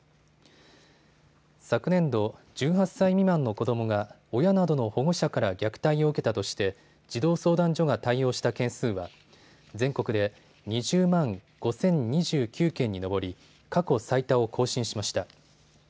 昨年度、１８歳未満の子どもが親などの保護者から虐待を受けたとして児童相談所が対応した件数は全国で２０万５０２９件に上り過去最多を更新しました。